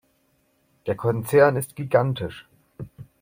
Der Konzern ist gigantisch.